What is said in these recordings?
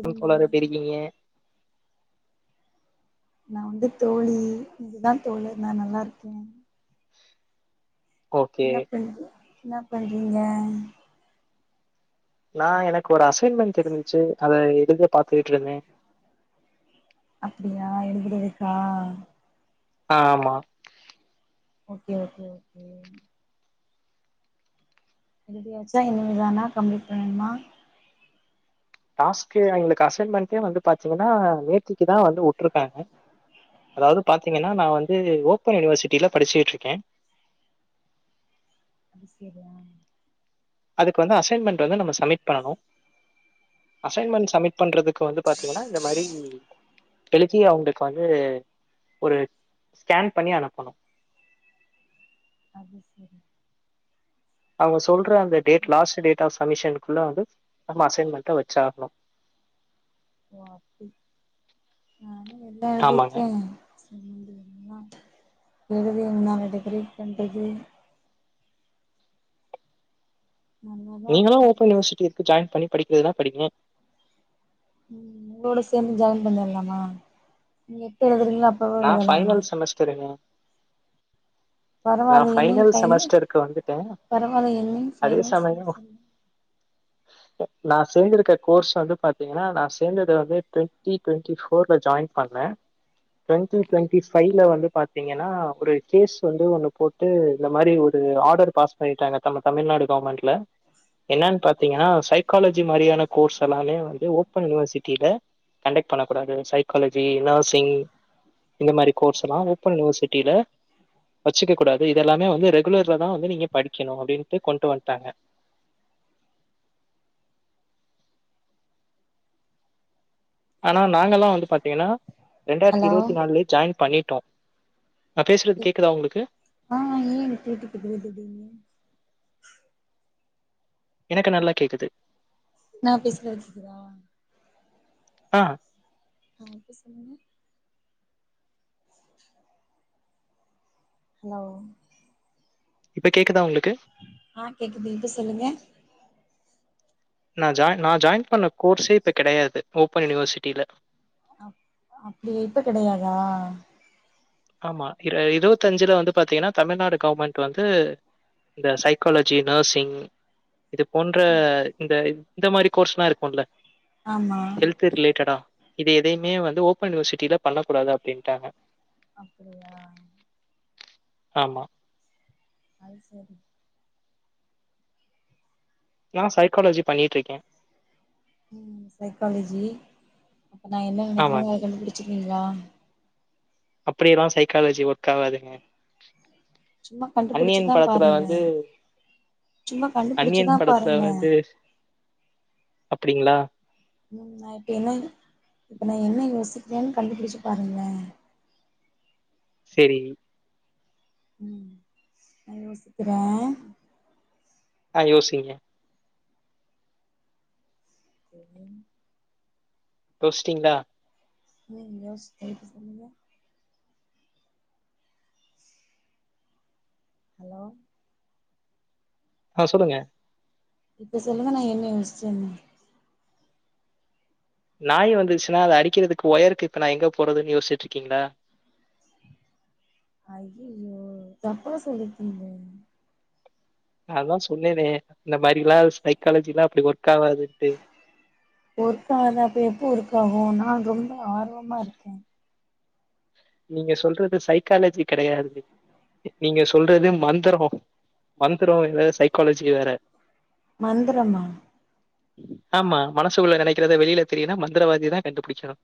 Hello எங்க தோழர் எப்படி இருக்கீங்க நான் வந்து தோழி இதுதான் தோழி நான் நல்லா இருக்கேன் ஓகே என்ன ப என்ன பண்றீங்க நான் எனக்கு ஒரு அசைன்மென்ட் தெரிந்துச்சு அத எழுத பாத்துக்கிட்டு இருந்தே அப்படியா எழுதுக்றதுகா ஆஹ் ஆமா ஓகே ஓகே ஓகே ஏஞ்ச்சா இனிமேதானா கம்ப்ளீட் பண்ணணுமா டாஸ்க்க எங்களுக்கு அசைன்மென் வந்து பாத்தீங்கன்னா நேற்றுக்குதான் வந்து வுட்டுருக்காங்க அதாவது பாத்தீங்கன்னா நான் வந்து ஓபன் யூனிவர்சிட்டில படிச்சுட்டு இருக்கேன் அது சரியா அதுக்கு வந்து அசைன்மெண்ட் வந்து நம்ம சப்மிட் பண்ணணும் அசைன்மெண்ட் சமீட் பண்றதுக்கு வந்து பாத்தீங்கன்னா இந்த மாரி எழுதி அவங்களுக்கு வந்து ஒரு ஸ்கேன் பண்ணி அனுப்பணு அப்ப செரி அவங்க சொல் ற அந்த டேட் லாஸ்ட் டேட்டாஸ் கமிஷனுக்குள்ளே வந்து நம்ம அசைன்மெண்டாக வச்சாகணும் வாப்பி உஹ் நா ஆமாங்க எப்டிஇருக்கே எழுது ந டெகரேட் கண்டது நல்லாதா நீங்களல்லாம் இருக்கே ஓப்பன் யனிவர்சிட்டி இருக்கு ஜாயின் பண்ணி படிக்கிறதுனா படிங்க உம் உங்களோட சேர்ந்து ஜாயின் பண்ணிலாமா நீங்க எப்ப லந் நான் பைனல் செமஸ்டருங்க நா பரவால்லியே என்னைக்கு ஃபைனல் பைனல் செமஸ்டருக்கு வந்துட்டே பரவாயால்ல என்னைக்கு பைனல் நான் சேர்ந்திருக்க கோர்ஸ் வந்து பாத்தீங்கன்னா நான் சேர்ந்து வந்து டுவெண்டி டுவெண்டி போர்ல ஜாயின் பண்ணேன் டுவெண்டி டுவெண்டி ஃபைவ்ல வந்து பாத்தீங்கன்னா ஒரு கேஸ் வந்து ஒண்ணு போட்டு இந்த மாரி ஒரு ஆர்டர் பாஸ் பண்ணிட்டாங்க நம்ம தமிழ்நாடு கவர்மெண்ட்ல என்னன்னு பாத்தீங்கன்னா சைக்காலஜி மாரியான கோர்ஸ் எல்லாமே வந்து ஓப்பன் யுனிவர்சிட்டியில கண்டக்ட் பண்ணக்கூடாது சைக்காலஜி நர்சிங் இந்த மாரி கோர்ஸ் எல்லாம் ஓப்பன் யுனிவர்சிட்டியில வச்சுக்க கூடாது இததுெல்லாமே வந்து ரெகுலர் தான் வந்து நீங்க படிக்கணும் அப்படின்ட்டு கொண்டு வந்ட்டாங்க ஆனா நாங்க எல்லாம் வந்து பாத்தீங்கன்னா ரெண்டாயிரத்தி ஹலோ இருபத்தி நாலுலய ஜாயின் பண்ணி ட்டோம் ஆஹ் ஆஹ் கேக்குது கேக்குது எனக்கு நல்லா கேக்குது நான் பேசுறது கேக்குதா ஆஹ் ஆஹ்ப்ப சொல்லுங்க ஹலோ இப்ப கேக்குதா உங்ளுக் ஆஹ் கேக்குது இப்ப சொல்லுங்க நான் ஜாயின் நான் ஜாயின் பண்ண கோர்ஸே இப்ப கெடையாது ஓப்பன் யூனிவர்சிட்டியில ஆஹ் அப்படி இப்ப கிடையாதா ஆமா இருபத்த அஞ்சுல வந்து பாத்தீங்கன்னா தமிழ்நாடு கவர்மெண்ட் வந்து இந்த சைக்காலஜி நர்சிங் இது போன்ற இந்த இந்த மாரி கோர்ஸ்ல்லாம் இருக்கும்ல ஆமா ஹெல்த் ரிலேட்டடா இது எதையுமே வந்து ஓப்பன் யுனிவர்சிட்டியில பண்ணக்க கூடாது அப்படின்ட்டாங்க அப்படியா ஆமா அது சரி நான் சைக்காலஜி பண்ணிட்டு இருக்கேன் உம் சைக்காலஜி அப்ப நான் என்ன ஆமாங்க. நெனைக்கிறே கண்டுபிடிச்சிருவிங்களா அப்படியெல்லாம் சைக்காலஜி ஒர்க் ஆகாதுங்க சும்மா கண்டுபிடிச்சுதான் பாருங்ளேன் சும்மா அந்நியன் கண்டுபிடிச்சுதான் படத்துல பாருங்ளேன் வந்து அப்படிங்களா உம் நான் இப்ப என்ன இப்ப நான் என்ன யோசிக்கிறேன்னு கண்டுபிடிச்சு பாருங்ளேன் செரி உம் நான் யோசிக்கிறேன் ஆஹ் யோசிங்க உம் புஸ்டிங்களா ஏனெஸ் ஏழுது சொல்லுங்க. ஹலோ. ஆஹ சொல்லுங்க. இப்ப சொல்லுங்க நா என்ன யோஸ்ச்சனு. நாய் வந்துச்சுன்னா அத அடிக்குறதுக்கு ஒயருக்கு இப்ப நா எங்க போறதுன்னு யோசிட்டு இருக்கீங்களா. ஐயையோ தப்பா சொல்லிருக்கீங்களே. நான்தா சொன்னநே இந்த மாரி எல்லா சைக்காலஜிலா அப்படி ஒர். ஒர்க்காதா அப்போ எப்போ ஒர்க் ஆகு. போன கம்னு. ஆர்வமா இருக்க. நீங்க சொல்றது சைக்காலஜி கெடையாது. நீங்க சொல்றது மந்தரோ மந்தரோ வேற சைக்காலஜி வேற. மந்தரமா. ஆமா மனசு உள்ள நெனைக்கிறத வெளியில தெரியனுனா மந்திரவாதிதா கண்டுபுடிக்கணு.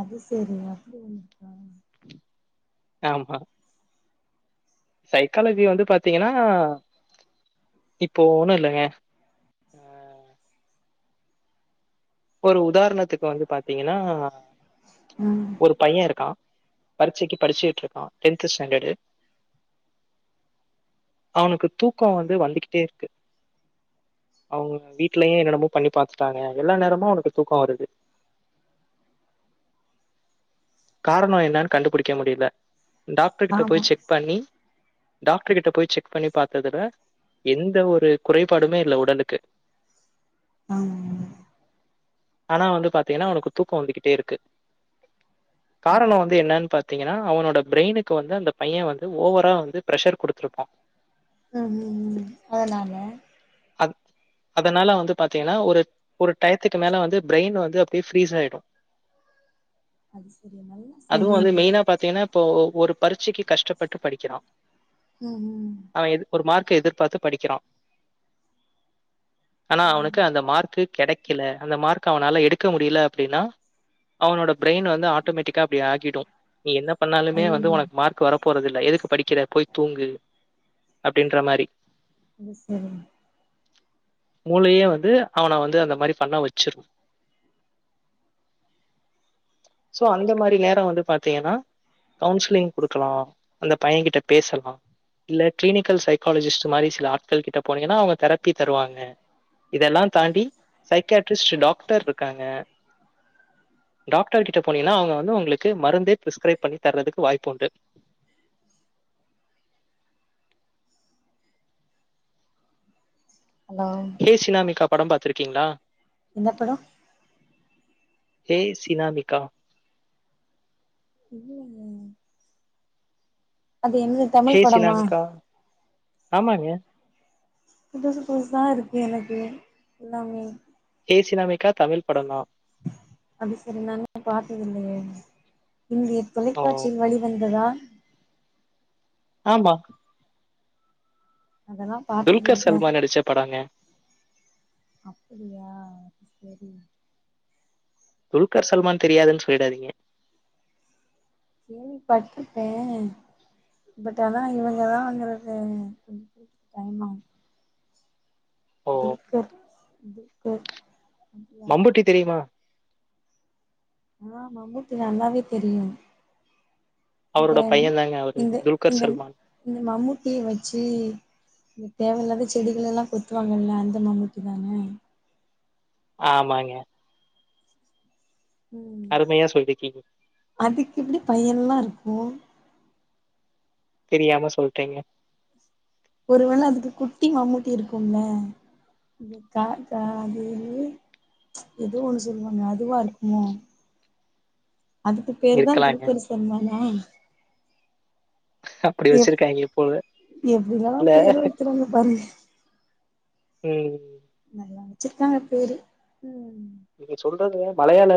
அது சேரிங்க அப்படி ஒன்னு இருக்கா. ஆமா. சைக்காலஜி வந்து பாத்தீங்கன்னா இப்போ ஒண்ணு இல்லைங்க ஆஹ. ஒரு உதாரணத்துக்கு வந்து பாத்தீங்கன்னா. ம் ஒரு பைய இருக்கா. பரிச்சைக்கு படிச்சுட்டு இருக்கா. Tenth standard. அவனுக்கு தூக்கம் வந்து வந்துகிட்டே இருக்கு. அவங்க வீடலயே என்னென்னமோ பண்ணி பத்துட்டாங்க எல்லா நேரமு. மு அவனுக்கு தூக்கோ வருது. காரணோ என்னோன் கண்டுபுடிக்க முடில. டாக்டர் கிட்ட ஆமா போய் செக் பண்ணி. டாக்டர் கிட்ட போய் செக் பண்ணி பாத்ததுல எந்த ஒரு குறைபாடுமே இல்ல உடலுக்கு. ஆமா. ஆனா வந்து பாத்தீங்னா அவனுக்கு தூக்கோ வந்துக்கிட்டே இருக்கு. அது காரணோ வந்து சரி என்னன்னு பாத். பாத்தீங்கன்னா அவனோட பிரெயினுக்கு வந்து அந்த பைய வந்து ஓவரா வந்து பிரஷர் குடுத்துருபக்கா. உஹம் அதனால. அந் அதனால வந்து பாத்தீங்கன்னா ஒரு ஒரு டயத்துக்கு மேல வந்து பிரெயின் வந்து அப்படியே ஃரீஸ் ஆயிடு. அது சரி நல்லா அதுவும் வந்து சொல்றீங்களே மெயினா பாத்தீங்கன்னா இப்போ. ஒரு பரட்சைக்கு கஷ்டப்பட்டு படிக்கிறா. உம்ம். க எதிர்பாத்து படிக்கிறா. ஆனா ம் அவனுக்கு அந்த மார்க்கு. கெடைக்கல அந்த மார்க் அவனால எடுக்க முடியல அப்படின்னா அவனோட ப்ரெயின் வந்து. ஆட்டோமெட்டிக்கா அப்படி ஆகிடு. நீ என்ன பண்ணாலுமே வந்து ஐய்யய்யோ உனக்கு மார்க் வர போறதில்ல எதுக்கு படிக்கிற போய் தூங்கு. அப்டின்ற மாரி. இது சேரிங்க. மூளையே வந்து அவன வந்து அந்த மாரி பண்ண வெச்சிரு. சோ அந்த மாரி நேரோ வந்து பாத்தீங்கனா கவுன்சிலிங் குடுக்கலா அந்த பைய கிட்ட பேசலா இல்ல க்ளினிக்கல் சைக்காலஜிஸ்ட் மாரி சில ஆட்கள் கிட்ட போனீங்கனா அவுங்க தெரப்பி தருவாங்க இதெல்லா தாண்டி. சைக்காட்டிஸ்ட் டாக்டர் இருக்காங்க டாக்டர் கிட்ட அவுங்க வந்து உங்களுக்கு மருந்தே ப்ரிஸ்கிரைப் பண்ணி தர்றதுக்கு வாய்ப்பு உண்டு ஹலோ ஹே சினாமிக்கா படம் பாத்துருக்கீங்ளா என்ன படம் ஹே சினாமிகா இல்லங்க அது என்ன தமிழ் ஹே படமா சினாமிகா ஆமாங்க புதுசு புதுசா இருக்கு எனக்கு எல்லாமே ஹே சினாமிகா தமில் படம் தான் அது சரி நா தா பாத்ததில்லையே இந்திய ஓ தொலைக்காட்சி வலி வந்ததா ஆமா அதெல்லா துல்கர் பாத்ததில்ல சல்மான் நடிச்ச படங்க அப்படியா சரி துல்கர் சல்மான் தெரியாதுன்னு சொல்லிடாதீங்க கேள்விப்பட்ருக்கே பட் ஆனா இவங்க தா வந்தறது கொஞ்ச டைம் ஆகும் ஓ துல்கர் துல்கர் அப்படியா? மம்புட்டி தெரியுமா ஆ மமூட்டி நல்லாவே தெரியும் இந்த அவரோட பையன் தாங்க அவரு இந்த துல்கர் இந்த சல்மான் இந்த மமூட்டிய வச்சி தேவயில்லாத செடிகலெல்லா கொத்துவாங்காலே அந்த மமூட்டி தானே ஆமாங்க ம் அருமையா சொல்லிருக்கீங்க அதுக்கு எப்படி பையன்ல்லா இருக் ஓன் தெரியாம சொல்டேங்க ஒரு வேல அதுக்கு குட்டி மமூட்டி இருக்கும்ல கா கா அது ஏதோ ஒண்ணு சொல்லுவாங்க அதுவா இருக்குமோ அதுக்கு பேரு தான் இருக்கலாங்க துல்கர் சல்மானா அப்படி எப் வச்சிருக்காங்க போல எப்பிடிலா இல்ல பேர் வெக்குறாங்க பாருங்க ம் வெச்சிருக்காங்க பேரு ம் நீங்க சொல்றது மலையாள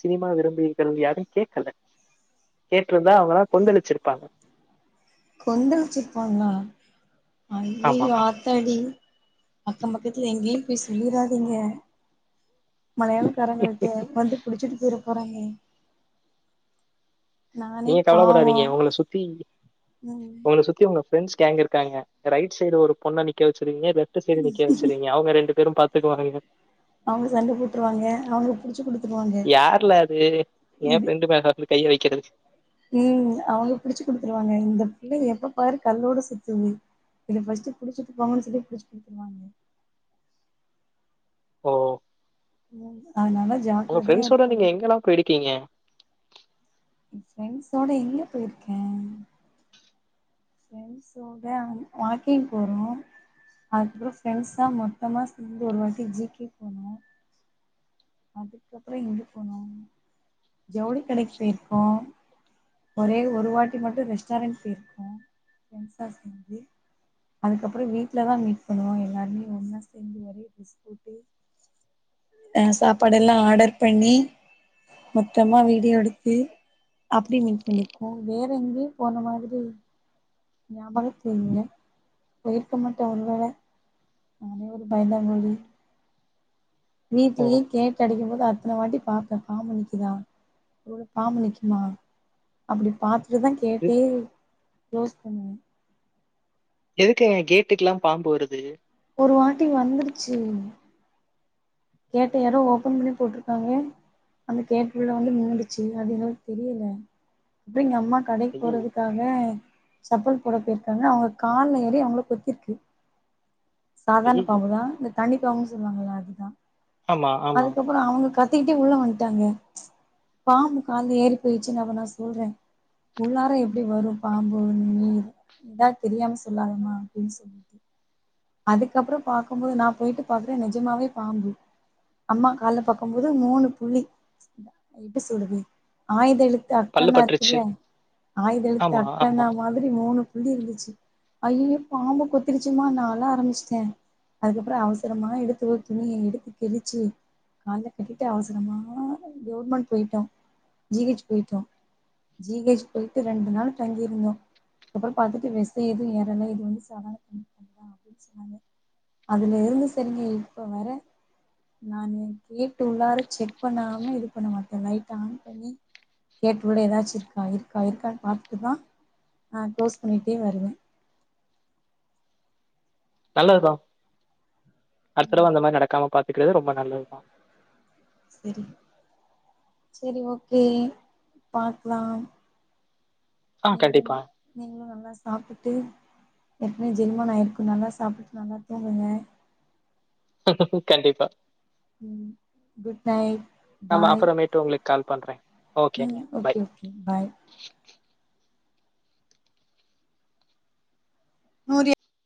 சினிமா விரும்பி யாரு கேக்கல கேட்ருந்தா அவங்கல்லா கொந்தளிச்சிருப்பாங்க கொந்தலச்சிருப்பாங்களா ஆமா ஐயையோ ஆத்தாடி அக்கம் பக்கத்துல எங்கயும் போய் சொல்லிறாதீங்க மலையாளக்காரங்கள்ட்ட வந்து புடிச்சிட்டு போயிற வராங்கே நீங்க கவலபடாதீங்க உங்கள சுத்தி ம் உங்கள சுத்தி உங்க பிரண்ட்ஸ் கேங்க இருக்காங்க ரைட் சைடு ஒரு பொண்ண நிக்க வச்சிருங்க லெஃப்ட் லெஃப்ட் சைடு நிக்க வச்சிருங்க அவங்க ரெண்டு பேரும் பாத்து [unintelligible] அவங்க சண்ட போட்டுருவாங்க அவங்க புடிச்சு குடுத் யார் ல அது என் ஃப்ரெண்டு தா வசந்த் கையை வைக்கிறது உம் அவங்க புடிச்சு குடுத்துருவாங்க இந்த புள்ள எப்ப பாரு கல்லோட சுத்துது இத ஃபர்ஸ்ட் புடிச்சுட்டு போங்கன்னு சொல்லி புடிச்சு குடுத்துருவாங்க ஓ உம் உங்க ஃப்ரெண்ட்ஸோட நீங்க எங்கெல்லாம் போயிருக்கீங்க என் ஃப்ரெண்ட்ஸோட எங்க போயிருக்கேன் ஃப்ரண்ட்ஸோட வாக்கிங் போறோம் அதுக்கப்புறம் ஃப்ரண்ட்ஸா மொத்தமா சேர்ந்து ஒரு வாட்டி ஜி கே போனோம் அதுக்கப்புறம் இங்க போனோம் ஜவுளி கடைக்கு போயிருக்கோம் ஒரே ஒரு வாட்டி மட்டும் ரெஸ்டாரண்ட் போயிருக்கோம் ஃப்ரண்ட்ஸா சேர்ந்து அதுக்கறம் வீட்டுலதான் மீட் பண்ணுவோம் எல்லாருமே ஒன்ன சேர்ந்து வெளியே பேசிட்டு சாப்ட் பாட எல்லாம் ஆடர் பண்ணி மொத்தமா வீடியோ எடுத்து அப்படி மீட் பண்ணிருக்கோம் வேற எங்கேயும் போன மாதிரி ஞாபகத்துல இல்ல போயிருக்க மாட்டோம் அது வேற அவனே ஒரு பயந்த கோலி ஓ வீட்லயே கேட்டுஅடிக்கும்போது அத்தன வாட்டி பாப்பேன் பாம்பு நிக்குதா பாம்பு நிக்குமா அப்படி பாத்துட்டுதான் கேட்டே இது- க்ளோஸ் பண்ணுவேன் எதுக்கு என் கேட்டுக்கெல்லாம் பாம்பு வருது ஒரு வாட்டி வந்துருச்சு கேட்ட யாரோ ஓபன் பண்ணி போட்டிருக்காங்க அந்த கேட் மேல் வந்து விழுந்துச்சு அது எங்களுக்கு தெரியல அப்புறம் எங்க அம்மா கடைக்கு ஐயோ போறதுக்காக சப்பல் போட போயிருக்காங்கா அவங்க காலுல ஏறி அவங்கள கொத்திருக்கு சாதாரண ஐயோ பாம்புதான் இந்த கண்டிப்பாக அவங்க சொல்லுவாங்களா அதுதான் ஆமா ஆமா அதுக்கப்புறம் அவங்க கத் கத்திட்டே உள்ள வந்துட்டாங்க பாம்பு கால்ல ஏறி போயிடுச்சுன்னு அப்ப நான் சொல்றேன் உள்ளார எப்படி வரும் பாம்பு நீ நீதான் தெரியாம சொல்லாதமா அப்படின்னு சொல்லிட்டு அதுக்கப்புறம் பார்க்கும் போது நான் போயிட்டு பாக்குறேன் நெஜமாவே பாம்பு அம்மா கால்ல பாக்கும் போது மூணு புள்ளி எப்படி சொல்றது ஆயுத எழுத்து பல்லு அக்கன்னா இருக்குதுல பட்டுருச்சு ஆயுத எழுத்து ஆமா ஆமா அக்கன்னா மாதிரி மூணு சொல்லி இருந்துச்சு ஐயையோ பாம்பு கொத்திருச்சுமா நான் அழ ஆரம்பிச்சுட்டேன் அதுக்கப்புறம் அவசரமா எடுத்து துணிய எடுத்து கிழிச்சு கால்ல கட்டிட்டு அவசரமா கவர்மெண்ட் போயிட்டோம் ஜிஹெச் போயிட்டோம் ஜிஹெச்போயிட்டு ரெண்டு நாள் தங்கிருந்தோம் அப்புறம் பாத்தட்டு வெசம் எதுவும் ஏறல இது வந்து சாதாரண பாம்பு தான் அப்படின்னு சொன்னாங்க அதுல இருந்து சரிங்க இப்ப வர நானு கேட்டு உள்ளார செக் பண்ணாம இது பண்ண மாட்டேன் லைட் ஆன் பண்ணி கேட்டு உள்ள ஏதாச்சும் இருக்கா இருக்கா இருக்கான்னு பாத்துட்டுதான் ஆஹ் க்ளோஸ் பண்ணிட்டே வருவேன் நல்லதுதான் அடுத்தடவ ம் அந்த மாரி நடக்காம பாத் துக்கிறது ரொம்ப நல்லதுதான் சேரி சேரி ஓக்கே பாக்லா ஆ கண்டிப்பா நீங்களும் நீங்களும் நல்லா சாப்பிட்டு ஏற்கனவே ஜெரிமான ஆயிருக்கும் நல்லா சாப்பிட்டு நல்லா தூங்குங்க கண்டிப்பா குட் நைட் நம்ம பாய் அப்புறமேட்டு உங்களுக்கு கால் பண்றேன். ஓகேங்க. பை. ஓகே ஓகே பாய் [unintelligible]